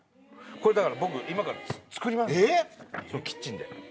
これだから僕今から作りますキッチンで。